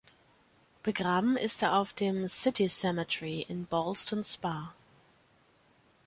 Begraben ist er auf dem "City Cemetery" in Ballston Spa.